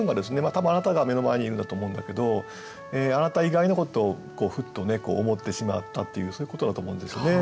多分「あなた」が目の前にいるんだと思うんだけど「あなた」以外のことをふっと思ってしまったっていうそういうことだと思うんですね。